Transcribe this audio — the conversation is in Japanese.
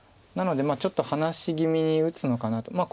なのでちょっと離し気味に打つのかなと。